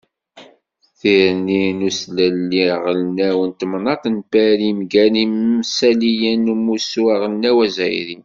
Tirni n uslelli aɣelnaw n temnaḍt n Pari mgal imssaliyen n Umussu aɣelnaw azzayri.